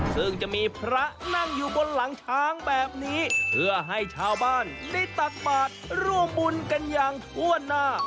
ซึ่งจะมีพระนั่งอยู่บนหลังช้างแบบนี้เพื่อให้ชาวบ้านได้ตักบาทร่วมบุญกันอย่างทั่วหน้า